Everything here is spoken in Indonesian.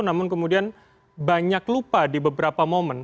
namun kemudian banyak lupa di beberapa momen